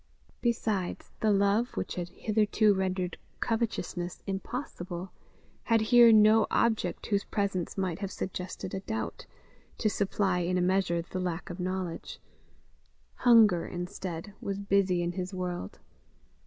Besides, the love which had hitherto rendered covetousness impossible, had here no object whose presence might have suggested a doubt, to supply in a measure the lack of knowledge; hunger, instead, was busy in his world.